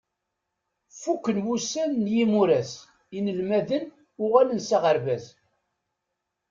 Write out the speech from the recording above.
Fukken wussan n yimuras, inelmaden uɣalen s aɣerbaz.